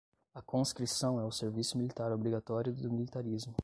A conscrição é o serviço militar obrigatório do militarismo